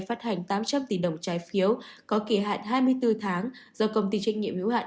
phát hành tám trăm linh tỷ đồng trái phiếu có kỳ hạn hai mươi bốn tháng do công ty trách nhiệm hữu hạn